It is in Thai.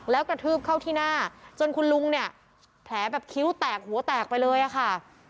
แล้วกระทืบเข้าที่หน้าจนคุณลุงเนี่ยแผลแบบคิ้วแตกหัวแตกไปเลยอะค่ะ